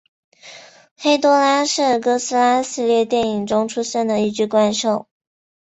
黑多拉是哥斯拉系列电影中出现的一只怪兽。